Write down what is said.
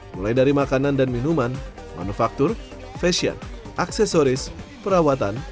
mulai dari makanan dan minuman manufaktur fashion aksesoris perawatan